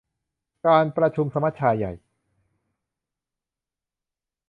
การประชุมสมัชชาใหญ่